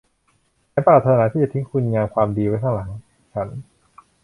ฉันปรารถนาที่จะทิ้งคุณงามความดีไว้ข้างหลังฉัน